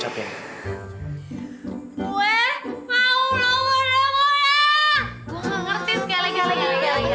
gua gak ngerti sekali kali kali kali